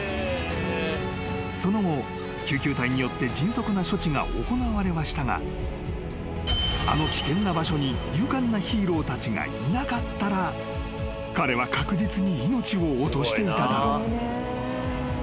［その後救急隊によって迅速な処置が行われはしたがあの危険な場所に勇敢なヒーローたちがいなかったら彼は確実に命を落としていただろう］